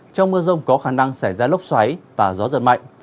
trong mưa rông có khả năng xảy ra lốc xoáy và gió giật mạnh